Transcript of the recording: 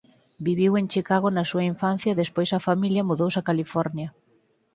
Viviu en Chicago na súa infancia e despois a familia mudouse a California.